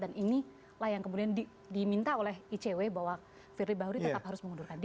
dan inilah yang kemudian diminta oleh icw bahwa firly bahuri tetap harus mengundurkan diri